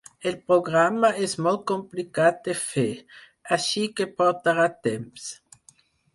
El programa és molt complicat de fer, així que portarà temps.